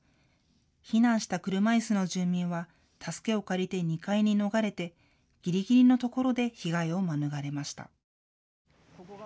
避難した車いすの住民は助けを借りて２階に逃れてぎりぎりのところで被害を免れました。